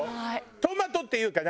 トマトっていうか何？